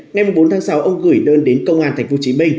ngày bốn tháng sáu ông gửi đơn đến công an tp hcm